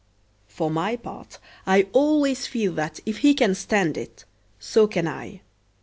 For my part I always feel that if he can stand it so can I.